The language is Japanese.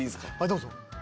どうぞ。